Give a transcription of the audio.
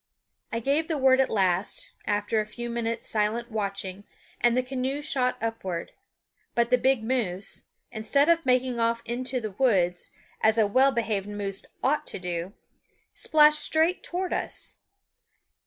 I gave the word at last, after a few minutes' silent watching, and the canoe shot upward. But the big moose, instead of making off into the woods, as a well behaved moose ought to do, splashed straight toward us.